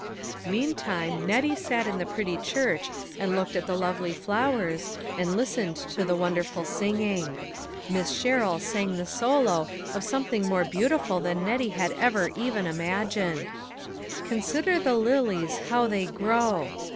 Meantime, Nettie sat in the pretty church and THE LITTLE PICTURE MAKERS. 247 looked at the lovely flowers, and listened to the wonderful singing. Miss Sherrill sang the solo of something more beautiful than Nettie had ever even imagined. " Consider the lilies how they grow."